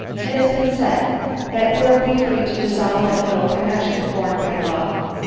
It has been said, that were we free to dissolve at will a connexion formed by love, we.